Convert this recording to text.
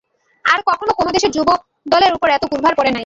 আর কখনও কোন দেশের যুবকদলের উপর এত গুরুভার পড়ে নাই।